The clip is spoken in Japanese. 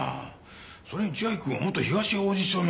それに千秋君は元東王子署の。